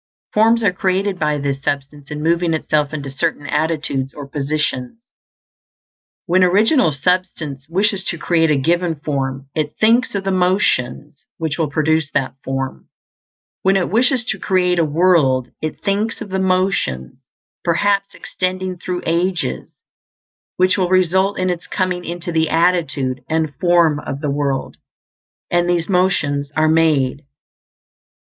Forms are created by this substance in moving itself into certain attitudes or positions. When Original Substance wishes to create a given form, it thinks of the motions which will produce that form. When it wishes to create a world, it thinks of the motions, perhaps extending through ages, which will result in its coming into the attitude and form of the world; and these motions are made.